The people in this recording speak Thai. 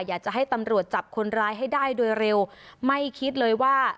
อยากจะให้ตำรวจจับคนร้ายให้ได้โดยเร็วไม่คิดเลยว่า